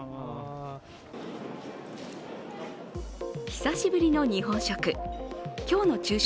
久しぶりの日本食